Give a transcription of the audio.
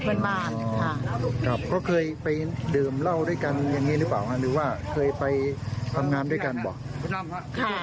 เขาเคยไปดื่มเหล้าด้วยกันอย่างนี้หรือเปล่าครับหรือว่าเคยไปทำงานด้วยกันหรือเปล่า